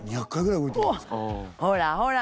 ほらほら